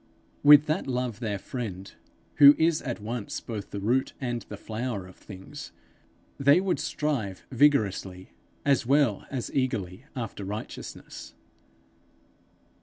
With that Love their friend, who is at once both the root and the flower of things, they would strive vigorously as well as hunger eagerly after righteousness.